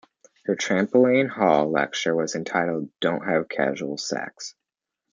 Her Trampoline Hall Lecture was entitled "Don't Have Casual Sex".